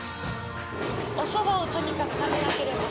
おそばをとにかく食べなければ。